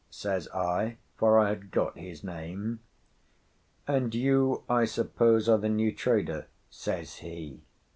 says I, for I had got his name. "And you, I suppose, are the new trader?" says he.